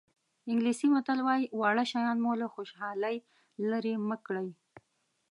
انګلیسي متل وایي واړه شیان مو له خوشحالۍ لرې مه کړي.